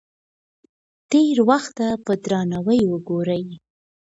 تېر وخت ته په درناوي وګورئ.